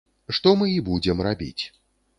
Што мы і будзем рабіць.